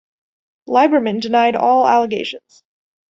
Lieberman denied all allegations.